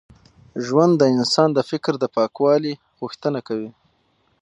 ژوند د انسان د فکر د پاکوالي غوښتنه کوي.